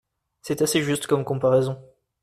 C’est assez juste comme comparaison.